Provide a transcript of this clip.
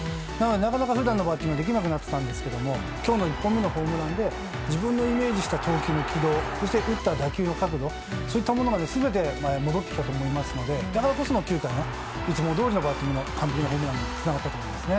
なかなか普段のバッティングができなくなっていたんですけど今日の１本目のホームランで自分のイメージした投球の起動、打球の角度そういったものが全て戻ってきたと思いますのでだからこその９回いつもどおりのバッティング完璧なホームランにつながったと思います。